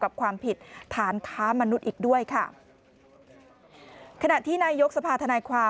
ความผิดฐานค้ามนุษย์อีกด้วยค่ะขณะที่นายกสภาธนายความ